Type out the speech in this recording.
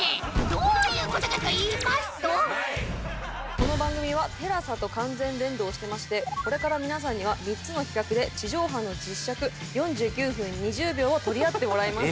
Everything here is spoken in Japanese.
この番組はＴＥＬＡＳＡと完全連動してましてこれから皆さんには３つの企画で地上波の実尺４９分２０秒を取り合ってもらいます。